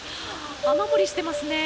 雨漏りしていますね。